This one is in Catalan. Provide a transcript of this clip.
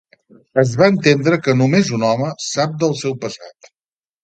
Es va entendre que "només un home" sap del seu passat.